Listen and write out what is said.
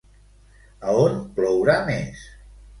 A on plourà més?